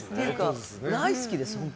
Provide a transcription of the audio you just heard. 大好きです、本当。